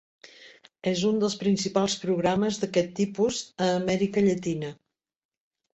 És un dels principals programes d'aquest tipus a Amèrica Llatina.